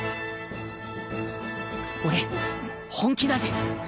俺本気だぜ。